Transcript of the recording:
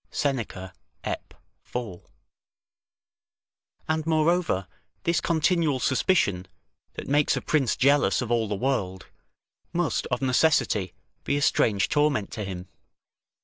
[Seneca, Ep., 4.] And moreover, this continual suspicion, that makes a prince jealous of all the world, must of necessity be a strange torment to him.